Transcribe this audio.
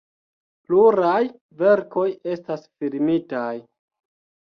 Pluraj verkoj estas filmitaj.